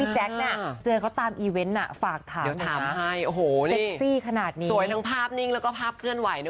ใช้การไม่ได้เลย